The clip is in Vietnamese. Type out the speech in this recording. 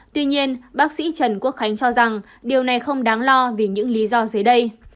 tuy nhiên bác sĩ trần quốc khánh cho rằng điều này không đáng lo vì những lý do dưới đây